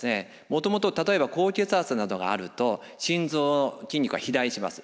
もともと例えば高血圧などがあると心臓の筋肉が肥大します。